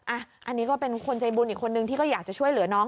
อันนี้ก็เป็นคนใจบุญอีกคนนึงที่ก็อยากจะช่วยเหลือน้อง